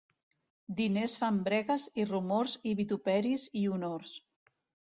Diners fan bregues i rumors i vituperis i honors.